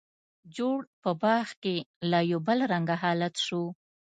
جوړ په باغ کې لا یو بل رنګه حالت شو.